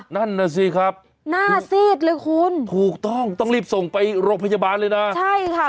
นั่นน่ะสิครับถูกต้องต้องรีบส่งไปโรงพยาบาลเลยน่ะนั่นน่ะสิครับน่าซีดเลยคุณ